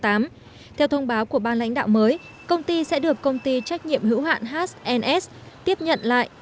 theo thông báo của ba lãnh đạo mới công ty sẽ được công ty trách nhiệm hữu hạn hns tiếp nhận lại